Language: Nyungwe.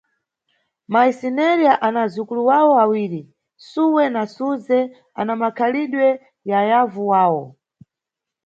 Mayi Sineriya ana azukulu wawo awiri, Suwe na Suze ana makhalidwe ya yavu wawo.